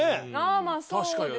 まあそうですね。